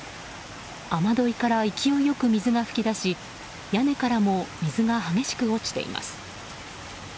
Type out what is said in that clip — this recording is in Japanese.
雨どいから勢いよく水が噴き出し屋根から水が激しく落ちています。